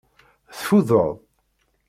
Tfudeḍ?